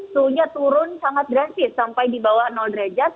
suhunya turun sangat drastis sampai di bawah derajat